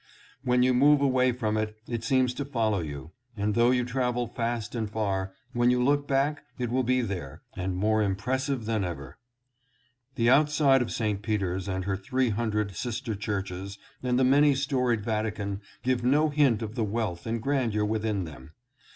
When you move away from it, it seems to follow you, and though you travel fast and far, when you look back it will be there and more impressive than ever. st. peter's. 699 The outside of St. Peter's and her three hundred sister churches and the many storied Vatican give no hint of the wealth and grandeur within them.